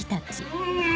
うん！